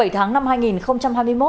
bảy tháng năm hai nghìn hai mươi một